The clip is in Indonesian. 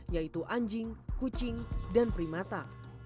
yaitu anjing kucing dan primata